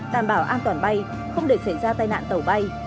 đảm bảo an toàn bay không để xảy ra tai nạn tàu bay